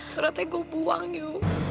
suratnya gue buang yu